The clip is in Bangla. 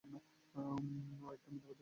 ও একটা মিথ্যাবাদী এবং জঙ্গী।